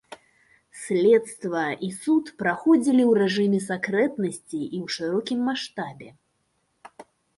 Следства і суд праходзілі ў рэжыме сакрэтнасці і ў шырокім маштабе.